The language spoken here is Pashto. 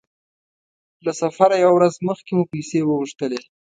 له سفره يوه ورځ مخکې مو پیسې وغوښتلې.